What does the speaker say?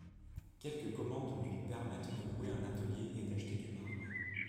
Quelques commandes lui permettent de louer un atelier et d'acheter du marbre.